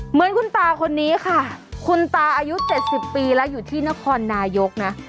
เหมือนคุณตาคนนี้ค่ะคุณตาอายุ๗๐ปีแล้วอยู่ที่นครนายกนะ